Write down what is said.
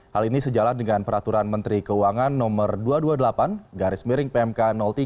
hal ini sejalan dengan peraturan menteri keuangan nomor dua ratus dua puluh delapan garis miring pmk tiga dua ribu tujuh belas